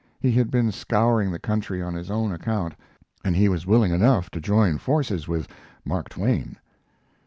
He had been scouring the country on his own account, and he was willing enough to join forces with Mark Twain.